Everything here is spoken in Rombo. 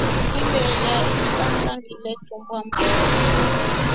Ngindelye ibanga ngitumbwe mboora.